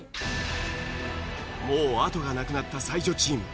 もうあとがなくなった才女チーム。